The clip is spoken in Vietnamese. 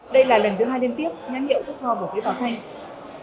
đây là lần thứ hai liên tiếp nhãn hiệu thuốc ho bổ phế bảo thanh